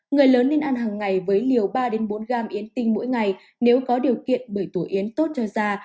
người lớn nên ăn hằng ngày với liều ba đến bốn gam yến tinh mỗi ngày nếu có điều kiện bởi tổ yến tốt cho da